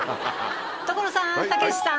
所さんたけしさん。